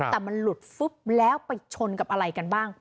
แต่มันหลุดฟึ๊บแล้วไปชนกับอะไรกันบ้าง